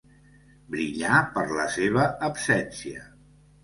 Brillar per la seva absència.